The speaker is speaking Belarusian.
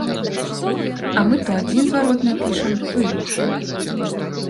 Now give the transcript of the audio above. А мы то адзін зварот напішам, то іншы.